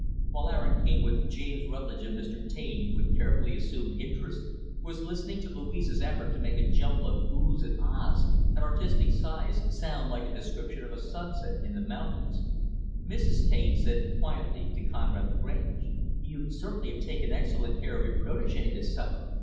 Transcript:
While Aaron King, with James Rutlidge and Mr. Taine, with carefully assumed interest, was listening to Louise's effort to make a jumble of "ohs" and "ahs" and artistic sighs sound like a description of a sunset in the mountains, Mrs. Taine said quietly to Conrad Lagrange, "You certainly have taken excellent care of your protege, this summer.